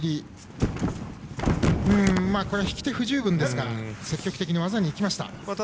引き手不十分ですが積極的に技にいきました。